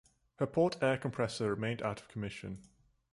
Her port air compressor remained out of commission.